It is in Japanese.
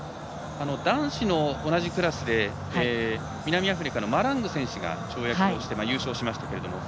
男子の同じクラスで南アフリカのマラング選手が優勝しましたけど。